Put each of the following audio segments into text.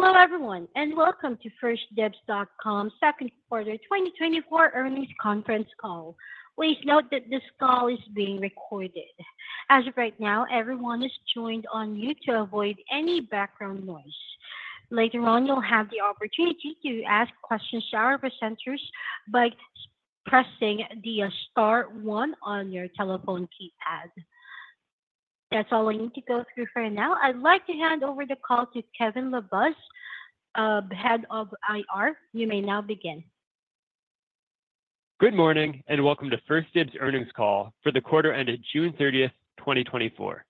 Hello everyone, and welcome to 1stDibs.com second quarter 2024 earnings conference call. Please note that this call is being recorded. As of right now, everyone is joined on mute to avoid any background noise. Later on, you'll have the opportunity to ask questions to our presenters by pressing the star one on your telephone keypad. That's all I need to go through for now. I'd like to hand over the call to Kevin LaBuz, the Head of IR. You may now begin. Good morning, and welcome to 1stDibs earnings call for the quarter ended June 30, 2024.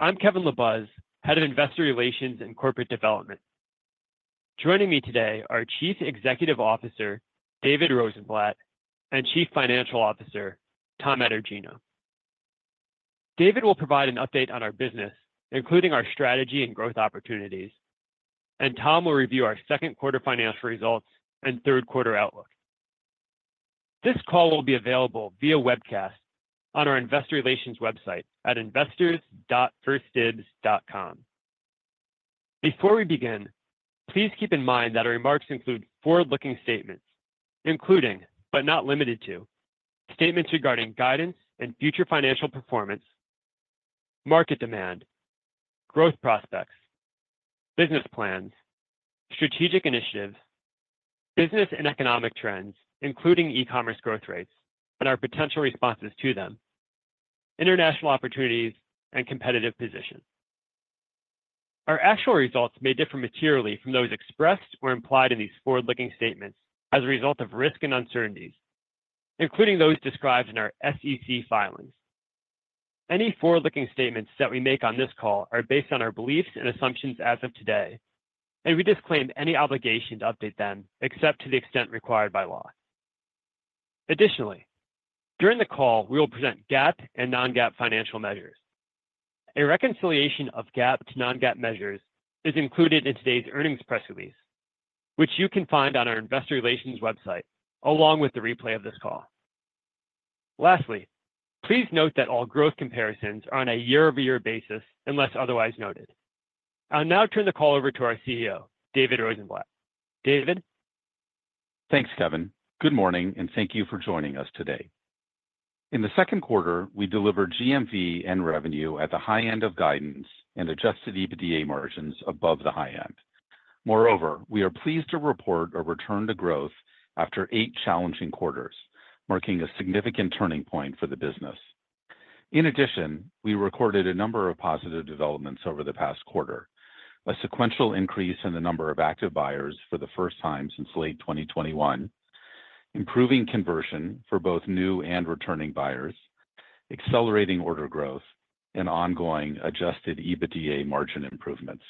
I'm Kevin Labuz, Head of Investor Relations and Corporate Development. Joining me today are Chief Executive Officer David Rosenblatt, and Chief Financial Officer Tom Etergino. David will provide an update on our business, including our strategy and growth opportunities, and Tom will review our second quarter financial results and third quarter outlook. This call will be available via webcast on our investor relations website at investors.1stdibs.com. Before we begin, please keep in mind that our remarks include forward-looking statements, including, but not limited to, statements regarding guidance and future financial performance, market demand, growth prospects, business plans, strategic initiatives, business and economic trends, including e-commerce growth rates and our potential responses to them, international opportunities and competitive position. Our actual results may differ materially from those expressed or implied in these forward-looking statements as a result of risks and uncertainties, including those described in our SEC filings. Any forward-looking statements that we make on this call are based on our beliefs and assumptions as of today, and we disclaim any obligation to update them, except to the extent required by law. Additionally, during the call, we will present GAAP and non-GAAP financial measures. A reconciliation of GAAP to non-GAAP measures is included in today's earnings press release, which you can find on our investor relations website, along with the replay of this call. Lastly, please note that all growth comparisons are on a year-over-year basis, unless otherwise noted. I'll now turn the call over to our CEO, David Rosenblatt. David? Thanks, Kevin. Good morning, and thank you for joining us today. In the second quarter, we delivered GMV and revenue at the high end of guidance and adjusted EBITDA margins above the high end. Moreover, we are pleased to report a return to growth after eight challenging quarters, marking a significant turning point for the business. In addition, we recorded a number of positive developments over the past quarter. A sequential increase in the number of active buyers for the first time since late 2021, improving conversion for both new and returning buyers, accelerating order growth, and ongoing adjusted EBITDA margin improvements.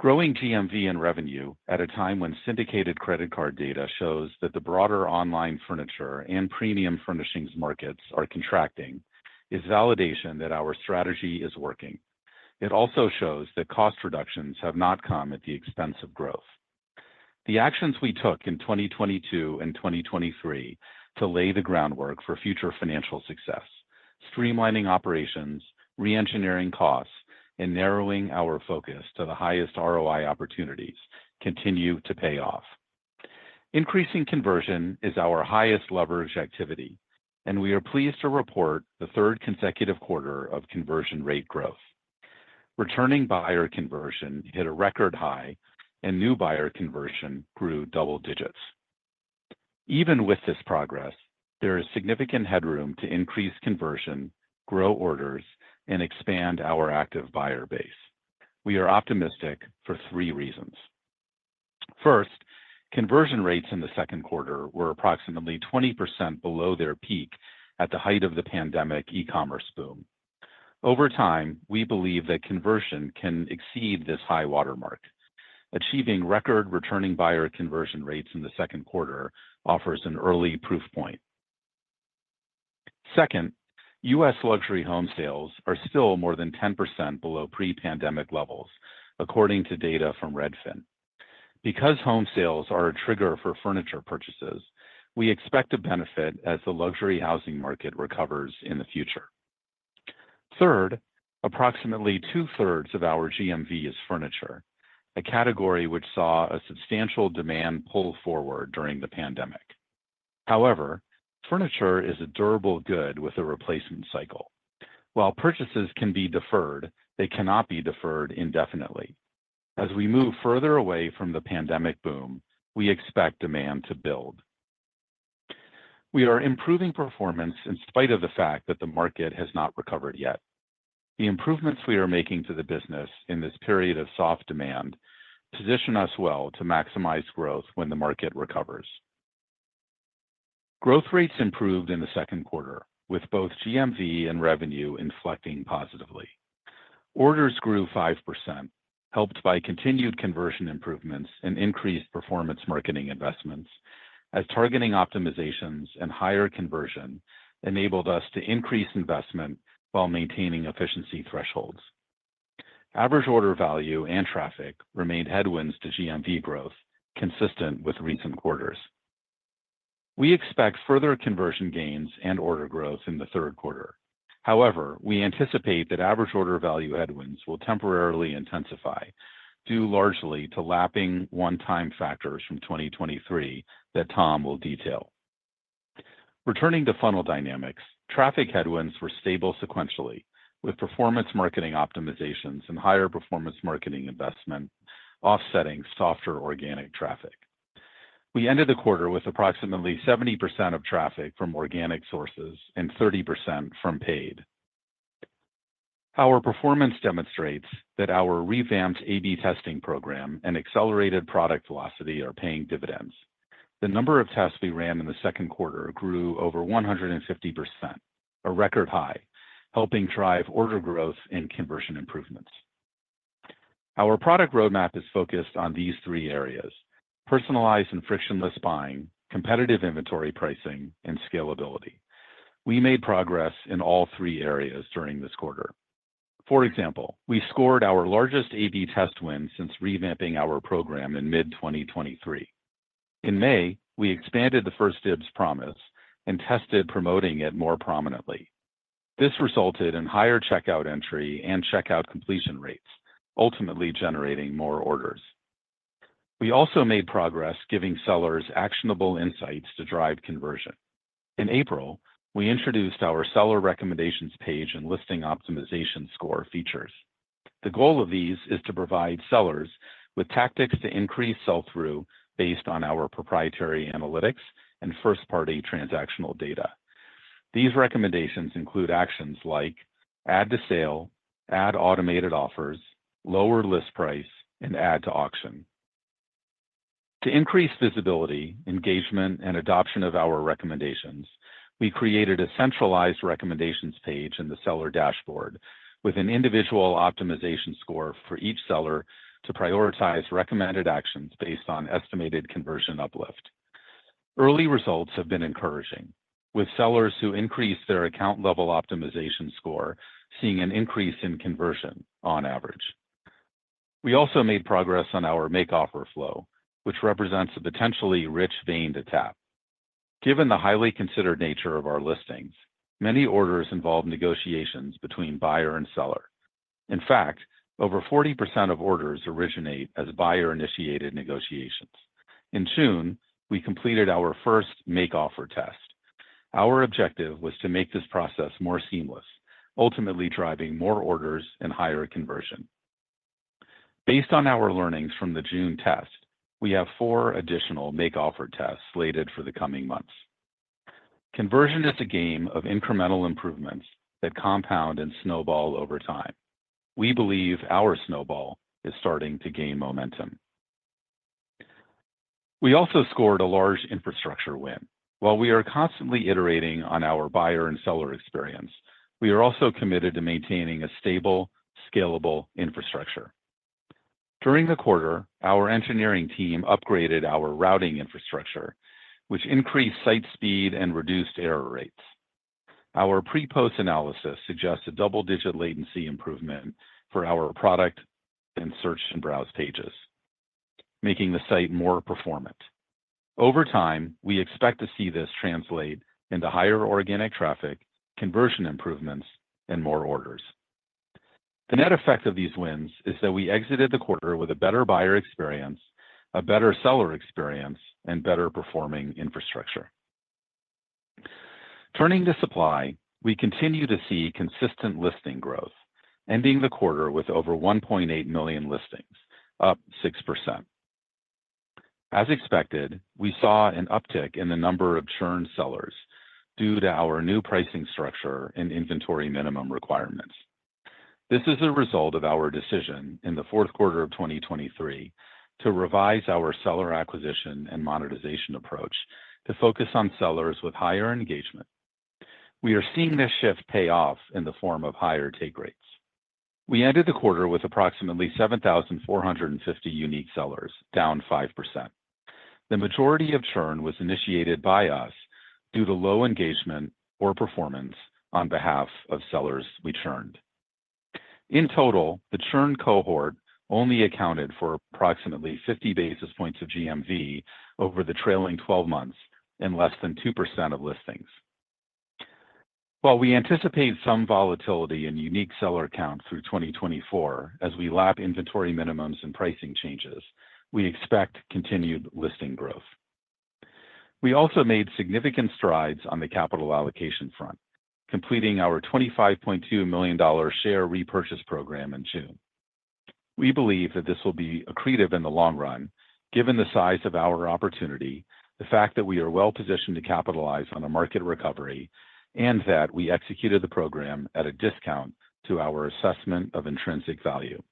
Growing GMV and revenue at a time when syndicated credit card data shows that the broader online furniture and premium furnishings markets are contracting, is validation that our strategy is working. It also shows that cost reductions have not come at the expense of growth. The actions we took in 2022 and 2023 to lay the groundwork for future financial success, streamlining operations, re-engineering costs, and narrowing our focus to the highest ROI opportunities, continue to pay off. Increasing conversion is our highest leverage activity, and we are pleased to report the third consecutive quarter of conversion rate growth. Returning buyer conversion hit a record high, and new buyer conversion grew double digits. Even with this progress, there is significant headroom to increase conversion, grow orders, and expand our active buyer base. We are optimistic for three reasons: First, conversion rates in the second quarter were approximately 20% below their peak at the height of the pandemic e-commerce boom. Over time, we believe that conversion can exceed this high-water mark. Achieving record-returning buyer conversion rates in the second quarter offers an early proof point. Second, US luxury home sales are still more than 10% below pre-pandemic levels, according to data from Redfin. Because home sales are a trigger for furniture purchases, we expect to benefit as the luxury housing market recovers in the future. Third, approximately two-thirds of our GMV is furniture, a category which saw a substantial demand pull forward during the pandemic. However, furniture is a durable good with a replacement cycle. While purchases can be deferred, they cannot be deferred indefinitely. As we move further away from the pandemic boom, we expect demand to build. We are improving performance in spite of the fact that the market has not recovered yet. The improvements we are making to the business in this period of soft demand position us well to maximize growth when the market recovers. Growth rates improved in the second quarter, with both GMV and revenue inflecting positively. Orders grew 5%, helped by continued conversion improvements and increased performance marketing investments, as targeting optimizations and higher conversion enabled us to increase investment while maintaining efficiency thresholds. Average order value and traffic remained headwinds to GMV growth, consistent with recent quarters. We expect further conversion gains and order growth in the third quarter. However, we anticipate that average order value headwinds will temporarily intensify, due largely to lapping one-time factors from 2023 that Tom will detail. Returning to funnel dynamics, traffic headwinds were stable sequentially, with performance marketing optimizations and higher performance marketing investment offsetting softer organic traffic. We ended the quarter with approximately 70% of traffic from organic sources and 30% from paid. Our performance demonstrates that our revamped A/B testing program and accelerated product velocity are paying dividends. The number of tests we ran in the second quarter grew over 150%, a record high, helping drive order growth and conversion improvements. Our product roadmap is focused on these three areas: personalized and frictionless buying, competitive inventory pricing, and scalability. We made progress in all three areas during this quarter. For example, we scored our largest A/B test win since revamping our program in mid-2023. In May, we expanded the 1stDibs Promise and tested promoting it more prominently. This resulted in higher checkout entry and checkout completion rates, ultimately generating more orders. We also made progress giving sellers actionable insights to drive conversion. In April, we introduced our Seller Recommendations page and Listing Optimization Score features. The goal of these is to provide sellers with tactics to increase sell-through based on our proprietary analytics and first-party transactional data. These recommendations include actions like add to sale, add automated offers, lower list price, and add to auction. To increase visibility, engagement, and adoption of our recommendations, we created a centralized recommendations page in the seller dashboard, with an individual optimization score for each seller to prioritize recommended actions based on estimated conversion uplift. Early results have been encouraging, with sellers who increase their account level optimization score seeing an increase in conversion on average. We also made progress on our Make Offer flow, which represents a potentially rich vein to tap. Given the highly considered nature of our listings, many orders involve negotiations between buyer and seller. In fact, over 40% of orders originate as buyer-initiated negotiations. In June, we completed our first Make Offer test. Our objective was to make this process more seamless, ultimately driving more orders and higher conversion. Based on our learnings from the June test, we have four additional Make Offer tests slated for the coming months. Conversion is a game of incremental improvements that compound and snowball over time. We believe our snowball is starting to gain momentum. We also scored a large infrastructure win. While we are constantly iterating on our buyer and seller experience, we are also committed to maintaining a stable, scalable infrastructure. During the quarter, our engineering team upgraded our routing infrastructure, which increased site speed and reduced error rates. Our pre-post analysis suggests a double-digit latency improvement for our product and search and browse pages, making the site more performant. Over time, we expect to see this translate into higher organic traffic, conversion improvements, and more orders. The net effect of these wins is that we exited the quarter with a better buyer experience, a better seller experience, and better-performing infrastructure. Turning to supply, we continue to see consistent listing growth, ending the quarter with over 1.8 million listings, up 6%. As expected, we saw an uptick in the number of churned sellers due to our new pricing structure and inventory minimum requirements. This is a result of our decision in the fourth quarter of 2023 to revise our seller acquisition and monetization approach to focus on sellers with higher engagement. We are seeing this shift pay off in the form of higher take rates. We ended the quarter with approximately 7,450 unique sellers, down 5%. The majority of churn was initiated by us due to low engagement or performance on behalf of sellers we churned. In total, the churned cohort only accounted for approximately 50 basis points of GMV over the trailing twelve months and less than 2% of listings. While we anticipate some volatility in unique seller counts through 2024 as we lap inventory minimums and pricing changes, we expect continued listing growth. We also made significant strides on the capital allocation front, completing our $25.2 million share repurchase program in June. We believe that this will be accretive in the long run, given the size of our opportunity, the fact that we are well positioned to capitalize on a market recovery, and that we executed the program at a discount to our assessment of intrinsic value.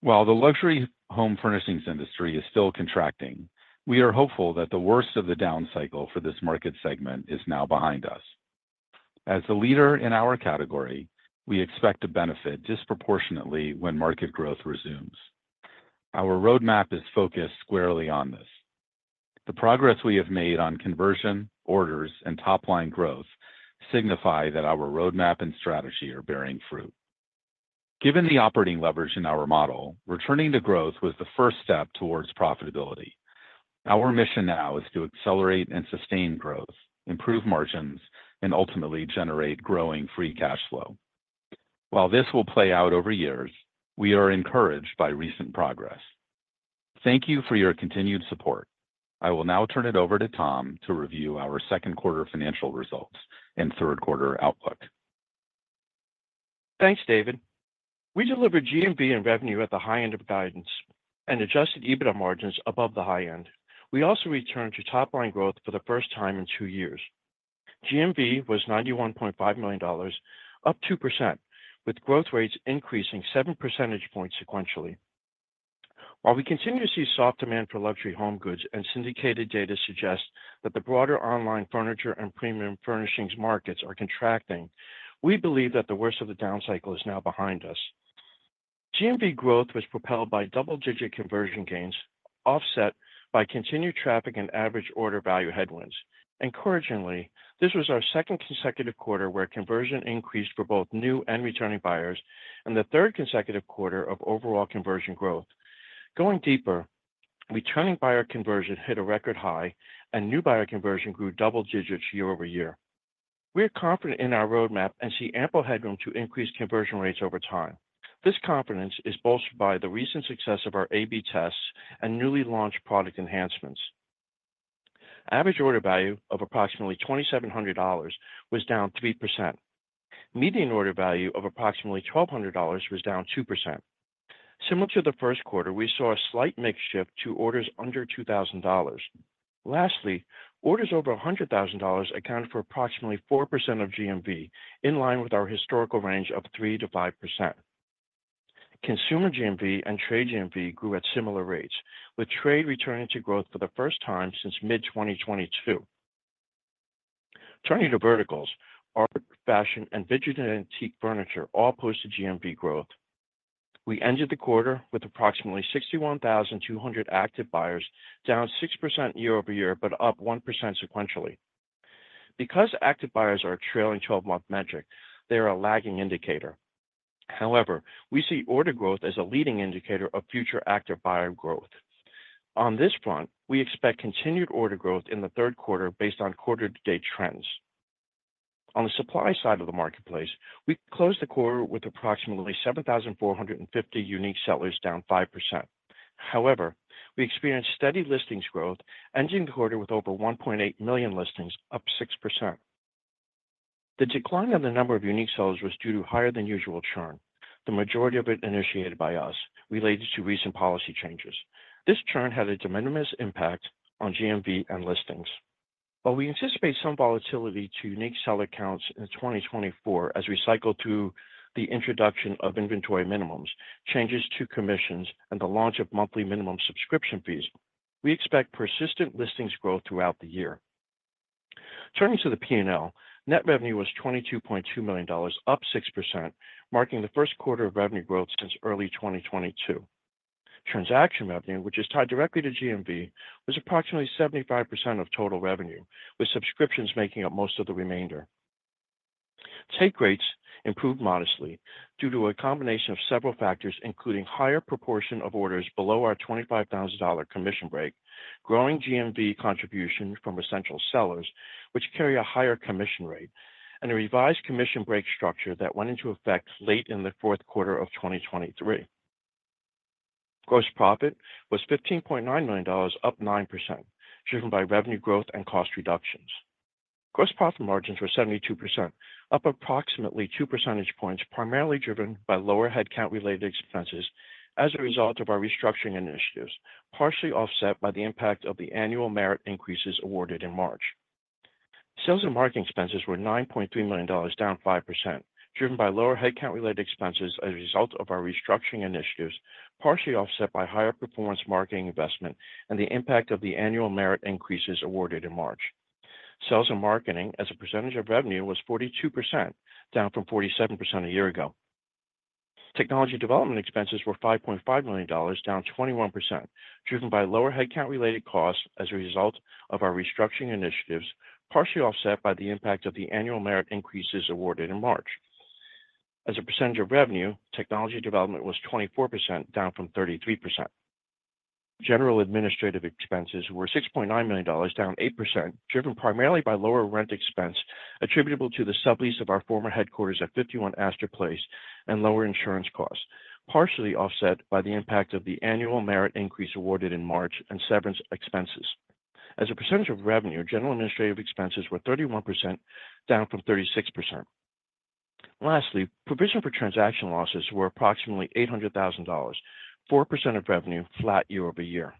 While the luxury home furnishings industry is still contracting, we are hopeful that the worst of the downcycle for this market segment is now behind us. As the leader in our category, we expect to benefit disproportionately when market growth resumes. Our roadmap is focused squarely on this. The progress we have made on conversion, orders, and top-line growth signify that our roadmap and strategy are bearing fruit... Given the operating leverage in our model, returning to growth was the first step towards profitability. Our mission now is to accelerate and sustain growth, improve margins, and ultimately generate growing free cash flow. While this will play out over years, we are encouraged by recent progress. Thank you for your continued support. I will now turn it over to Tom to review our second quarter financial results and third quarter outlook. Thanks, David. We delivered GMV and revenue at the high end of guidance and adjusted EBITDA margins above the high end. We also returned to top-line growth for the first time in two years. GMV was $91.5 million, up 2%, with growth rates increasing seven percentage points sequentially. While we continue to see soft demand for luxury home goods, and syndicated data suggests that the broader online furniture and premium furnishings markets are contracting, we believe that the worst of the downcycle is now behind us. GMV growth was propelled by double-digit conversion gains, offset by continued traffic and average order value headwinds. Encouragingly, this was our second consecutive quarter where conversion increased for both new and returning buyers, and the third consecutive quarter of overall conversion growth. Going deeper, returning buyer conversion hit a record high, and new buyer conversion grew double digits year-over-year. We are confident in our roadmap and see ample headroom to increase conversion rates over time. This confidence is bolstered by the recent success of our A/B tests and newly launched product enhancements. Average order value of approximately $2,700 was down 3%. Median order value of approximately $1,200 was down 2%. Similar to the first quarter, we saw a slight mix shift to orders under $2,000. Lastly, orders over $100,000 accounted for approximately 4% of GMV, in line with our historical range of 3%-5%. Consumer GMV and trade GMV grew at similar rates, with trade returning to growth for the first time since mid-2022. Turning to verticals, art, fashion, and vintage and antique furniture all posted GMV growth. We ended the quarter with approximately 61,200 active buyers, down 6% year-over-year, but up 1% sequentially. Because active buyers are a trailing twelve-month metric, they are a lagging indicator. However, we see order growth as a leading indicator of future active buyer growth. On this front, we expect continued order growth in the third quarter based on quarter-to-date trends. On the supply side of the marketplace, we closed the quarter with approximately 7,450 unique sellers, down 5%. However, we experienced steady listings growth, ending the quarter with over 1.8 million listings, up 6%. The decline in the number of unique sellers was due to higher than usual churn, the majority of it initiated by us, related to recent policy changes. This churn had a de minimis impact on GMV and listings. While we anticipate some volatility to unique seller counts in 2024 as we cycle through the introduction of inventory minimums, changes to commissions, and the launch of monthly minimum subscription fees, we expect persistent listings growth throughout the year. Turning to the P&L, net revenue was $22.2 million, up 6%, marking the first quarter of revenue growth since early 2022. Transaction revenue, which is tied directly to GMV, was approximately 75% of total revenue, with subscriptions making up most of the remainder. Take rates improved modestly due to a combination of several factors, including higher proportion of orders below our $25,000 commission break, growing GMV contribution from Essential sellers, which carry a higher commission rate, and a revised commission break structure that went into effect late in the fourth quarter of 2023. Gross profit was $15.9 million, up 9%, driven by revenue growth and cost reductions. Gross profit margins were 72%, up approximately two percentage points, primarily driven by lower headcount-related expenses as a result of our restructuring initiatives, partially offset by the impact of the annual merit increases awarded in March. Sales and marketing expenses were $9.3 million, down 5%, driven by lower headcount-related expenses as a result of our restructuring initiatives, partially offset by higher performance marketing investment and the impact of the annual merit increases awarded in March. Sales and marketing, as a percentage of revenue, was 42%, down from 47% a year ago. Technology development expenses were $5.5 million, down 21%, driven by lower headcount-related costs as a result of our restructuring initiatives, partially offset by the impact of the annual merit increases awarded in March. As a percentage of revenue, technology development was 24%, down from 33%. General administrative expenses were $6.9 million, down 8%, driven primarily by lower rent expense attributable to the sublease of our former headquarters at 51 Astor Place and lower insurance costs, partially offset by the impact of the annual merit increase awarded in March and severance expenses. As a percentage of revenue, general administrative expenses were 31%, down from 36%. Lastly, provision for transaction losses were approximately $800,000, 4% of revenue, flat year-over-year.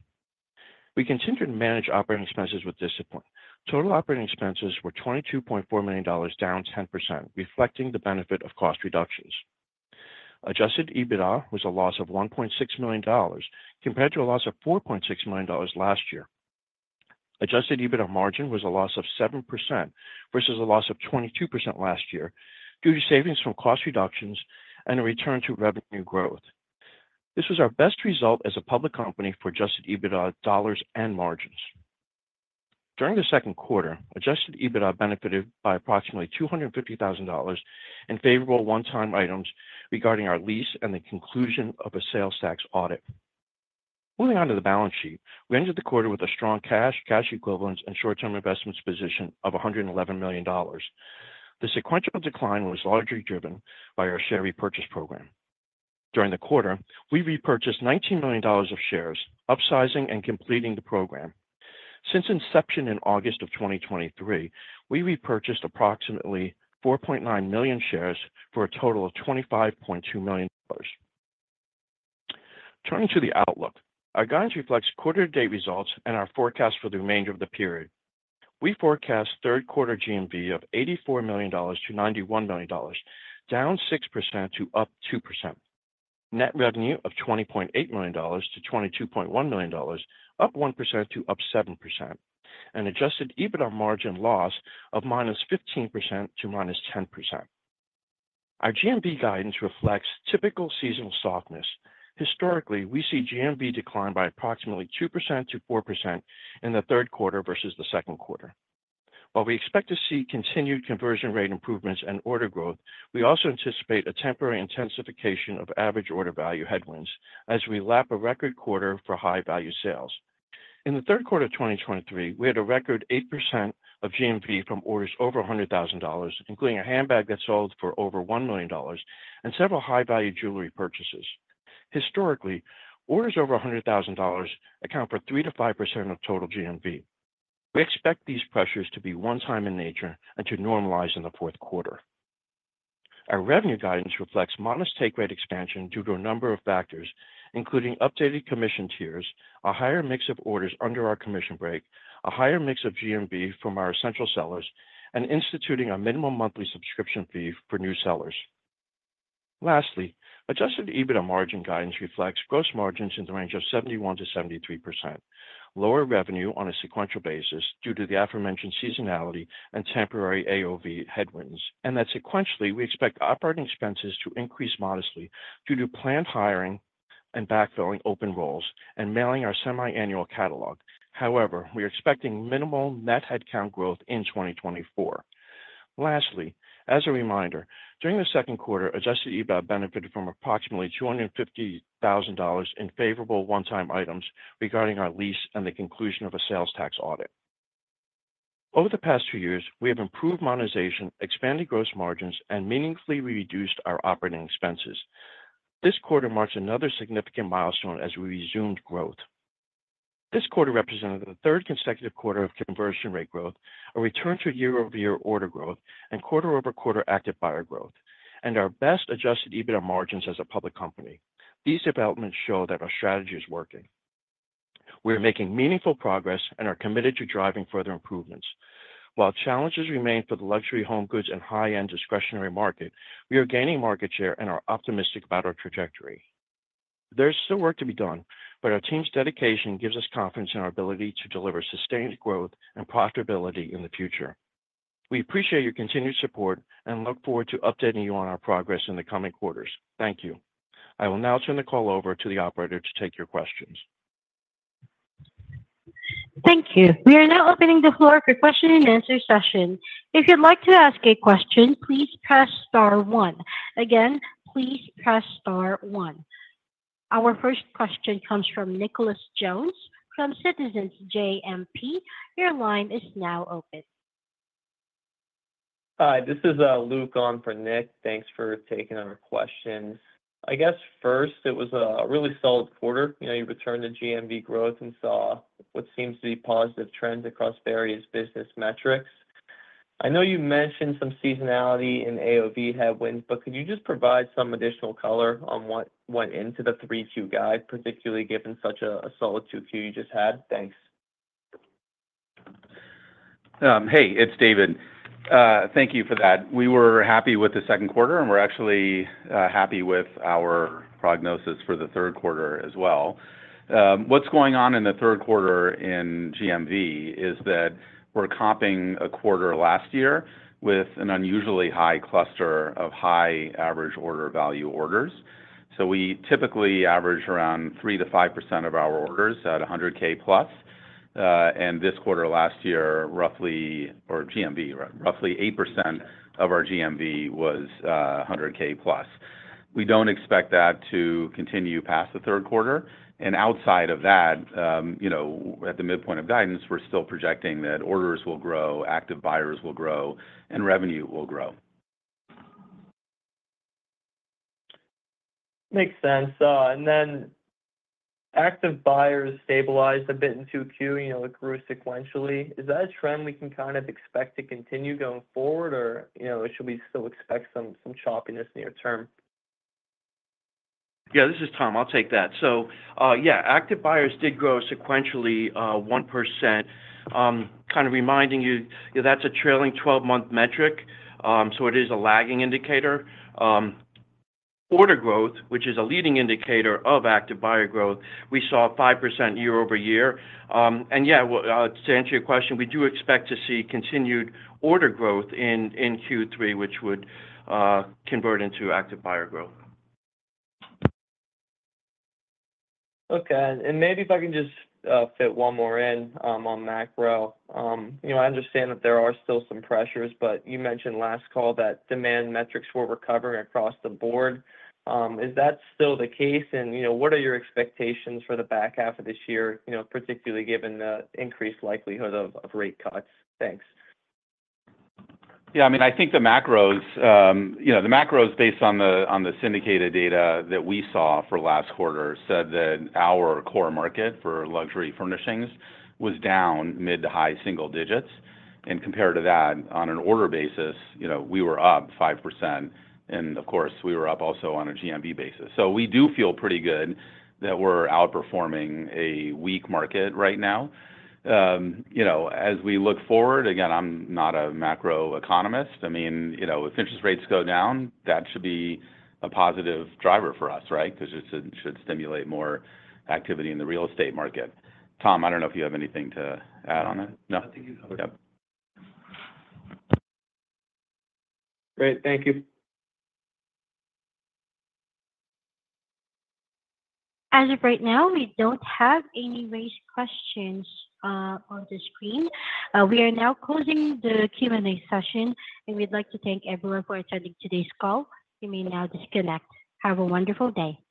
We continued to manage operating expenses with discipline. Total operating expenses were $22.4 million, down 10%, reflecting the benefit of cost reductions. Adjusted EBITDA was a loss of $1.6 million, compared to a loss of $4.6 million last year. Adjusted EBITDA margin was a loss of 7%, versus a loss of 22% last year, due to savings from cost reductions and a return to revenue growth. This was our best result as a public company for adjusted EBITDA dollars and margins. During the second quarter, adjusted EBITDA benefited by approximately $250,000 in favorable one-time items regarding our lease and the conclusion of a sales tax audit. Moving on to the balance sheet, we ended the quarter with a strong cash, cash equivalents, and short-term investments position of $111 million. The sequential decline was largely driven by our share repurchase program. During the quarter, we repurchased $19 million of shares, upsizing and completing the program. Since inception in August 2023, we repurchased approximately 4.9 million shares for a total of $25.2 million. Turning to the outlook, our guidance reflects quarter-to-date results and our forecast for the remainder of the period. We forecast third quarter GMV of $84 million-$91 million, down 6% to up 2%. Net revenue of $20.8 million-$22.1 million, up 1% to up 7%, and adjusted EBITDA margin loss of -15% to -10%. Our GMV guidance reflects typical seasonal softness. Historically, we see GMV decline by approximately 2%-4% in the third quarter versus the second quarter. While we expect to see continued conversion rate improvements and order growth, we also anticipate a temporary intensification of average order value headwinds as we lap a record quarter for high-value sales. In the third quarter of 2023, we had a record 8% of GMV from orders over $100,000, including a handbag that sold for over $1 million and several high-value jewelry purchases. Historically, orders over $100,000 account for 3%-5% of total GMV. We expect these pressures to be one time in nature and to normalize in the fourth quarter. Our revenue guidance reflects modest take rate expansion due to a number of factors, including updated commission tiers, a higher mix of orders under our commission break, a higher mix of GMV from our essential sellers, and instituting a minimum monthly subscription fee for new sellers. Lastly, Adjusted EBITDA margin guidance reflects gross margins in the range of 71%-73%, lower revenue on a sequential basis due to the aforementioned seasonality and temporary AOV headwinds, and that sequentially, we expect operating expenses to increase modestly due to planned hiring and backfilling open roles and mailing our semiannual catalog. However, we are expecting minimal net headcount growth in 2024. Lastly, as a reminder, during the second quarter, Adjusted EBITDA benefited from approximately $250,000 in favorable one-time items regarding our lease and the conclusion of a sales tax audit. Over the past two years, we have improved monetization, expanded gross margins, and meaningfully reduced our operating expenses. This quarter marks another significant milestone as we resumed growth. This quarter represented the third consecutive quarter of conversion rate growth, a return to year-over-year order growth, and quarter-over-quarter active buyer growth, and our best Adjusted EBITDA margins as a public company. These developments show that our strategy is working. We are making meaningful progress and are committed to driving further improvements. While challenges remain for the luxury home goods and high-end discretionary market, we are gaining market share and are optimistic about our trajectory. There's still work to be done, but our team's dedication gives us confidence in our ability to deliver sustained growth and profitability in the future. We appreciate your continued support and look forward to updating you on our progress in the coming quarters. Thank you. I will now turn the call over to the operator to take your questions. Thank you. We are now opening the floor for question and answer session. If you'd like to ask a question, please press star one. Again, please press star one. Our first question comes from Nicholas Jones, from Citizens JMP. Your line is now open. Hi, this is Luke on for Nick. Thanks for taking our questions. I guess first, it was a really solid quarter. You know, you returned to GMV growth and saw what seems to be positive trends across various business metrics. I know you mentioned some seasonality and AOV headwinds, but could you just provide some additional color on what went into the 3Q guide, particularly given such a solid 2Q you just had? Thanks. Hey, it's David. Thank you for that. We were happy with the second quarter, and we're actually happy with our prognosis for the third quarter as well. What's going on in the third quarter in GMV is that we're comping a quarter last year with an unusually high cluster of high average order value orders. We typically average around 3%-5% of our orders at 100K plus. And this quarter last year, roughly or GMV, roughly 8% of our GMV was a hundred K plus. We don't expect that to continue past the third quarter, and outside of that, you know, at the midpoint of guidance, we're still projecting that orders will grow, active buyers will grow, and revenue will grow. Makes sense. And then active buyers stabilized a bit in Q2, you know, it grew sequentially. Is that a trend we can kind of expect to continue going forward, or, you know, should we still expect some choppiness near term? Yeah, this is Tom. I'll take that. So, yeah, active buyers did grow sequentially 1%. Kind of reminding you, that's a trailing 12-month metric, so it is a lagging indicator. Order growth, which is a leading indicator of active buyer growth, we saw 5% year-over-year. And yeah, to answer your question, we do expect to see continued order growth in Q3, which would convert into active buyer growth. Okay. And maybe if I can just fit one more in, on macro. You know, I understand that there are still some pressures, but you mentioned last call that demand metrics were recovering across the board. Is that still the case? And, you know, what are your expectations for the back half of this year, you know, particularly given the increased likelihood of rate cuts? Thanks. Yeah, I mean, I think the macros, you know, the macros, based on the syndicated data that we saw for last quarter, said that our core market for luxury furnishings was down mid- to high-single digits. And compared to that, on an order basis, you know, we were up 5%, and of course, we were up also on a GMV basis. So we do feel pretty good that we're outperforming a weak market right now. You know, as we look forward, again, I'm not a macroeconomist. I mean, you know, if interest rates go down, that should be a positive driver for us, right? Because it should stimulate more activity in the real estate market. Tom, I don't know if you have anything to add on that. No? I think you covered it. Yep. Great. Thank you. As of right now, we don't have any raised questions, on the screen. We are now closing the Q&A session, and we'd like to thank everyone for attending today's call. You may now disconnect. Have a wonderful day.